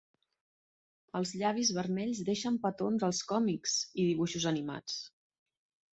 Els llavis vermells deixen petons als còmics i dibuixos animats.